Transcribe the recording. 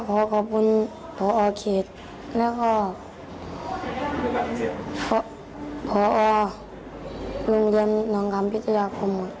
ก็ขอขอบคุณพอเขตแล้วก็พอโรงเกียรตินักงามพิทยาคม